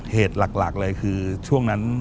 เหตุหลักเลยคือช่วงนั้น